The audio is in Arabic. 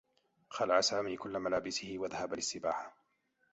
خلع سامي كلّ ملابسه و ذهب للسّباحة.